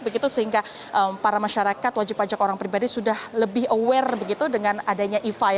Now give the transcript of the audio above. begitu sehingga para masyarakat wajib pajak orang pribadi sudah lebih aware dengan adanya e fi